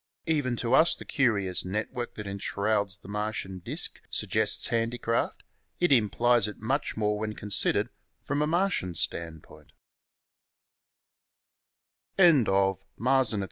Even to us the curious network that en shrouds the Martian disk suggests handicraft; it implies it much more when considered from a Martian standpoint.